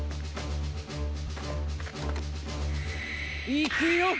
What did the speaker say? いくよ！